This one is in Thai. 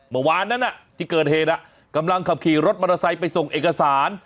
เมื่อวานนั้นที่เกิดเหตุกำลังขับขี่รถมอเตอร์ไซค์ไปส่งเอกสาร